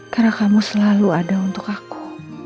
karena kamu selalu ada untuk aku